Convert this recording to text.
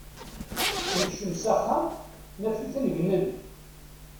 Nekcem s axxam, naf-iten gnen.